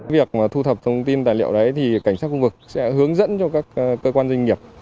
việc thu thập thông tin tài liệu đấy thì cảnh sát khu vực sẽ hướng dẫn cho các cơ quan doanh nghiệp